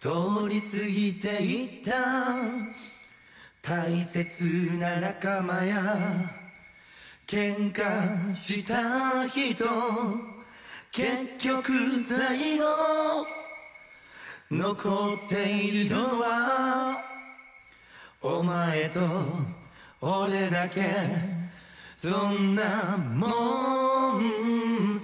通り過ぎていった大切な仲間や喧嘩した人結局最後残っているのはお前と俺だけそんなもんさ